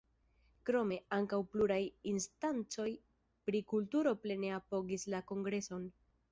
Krome, ankaŭ pluraj instancoj pri kulturo plene apogis la Kongreson.